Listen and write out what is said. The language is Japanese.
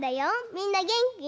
みんなげんき？